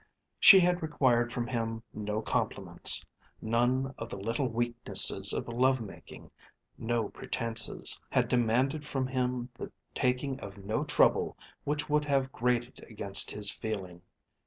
She had required from him no compliments, none of the little weaknesses of love making, no pretences, had demanded from him the taking of no trouble which would have grated against his feeling.